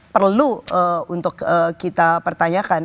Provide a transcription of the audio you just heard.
perlu untuk kita pertanyakan